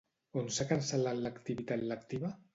On s'ha cancel·lat l'activitat lectiva?